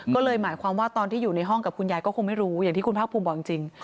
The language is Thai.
ก็เลยหมายความว่าตอนที่อยู่ในห้องกับคุณยายก็คงไม่รู้อย่างที่คุณภาคภูมิบอกจริง